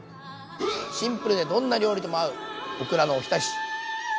シンプルでどんな料理とも合うオクラのおひたし。